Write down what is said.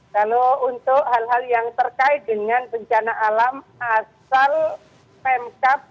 kalau untuk hal hal yang terkait dengan bencana alam asal pemkap